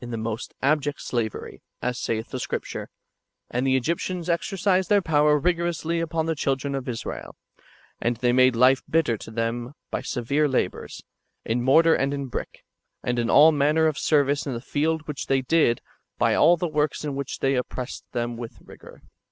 477 the most abject slavery, as saith the Scripture :" And the Egyptians exercised tlieir power rigorously upon the children of Israel; and they made life bitter to them by severe labours, in mortar and in brick, and in all manner of service in the field which they did, by all the works in which they op pressed them with rigour."